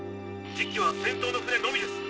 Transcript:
「実機は先頭の船のみです。